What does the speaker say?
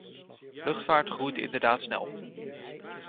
Luchtvaart groeit inderdaad snel.